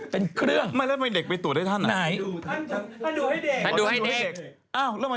ฮะไม่แล้วทำไมเด็กไปตรวจให้ท่านเหรอไหน